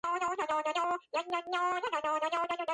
ეს სნუკერის ისტორიაში მასტერსის პირველი გათამაშება იყო.